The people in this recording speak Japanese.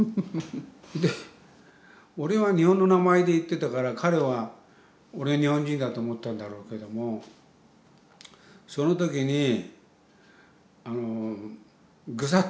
で俺は日本の名前で行ってたから彼は俺日本人だと思ったんだろうけどもその時にぐさっと胸に刺さる感じがしてさ。